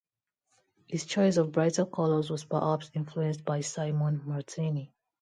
His choice of brighter colours was perhaps influenced by Simone Martini.